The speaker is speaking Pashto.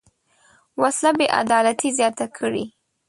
وسله بېعدالتي زیاته کړې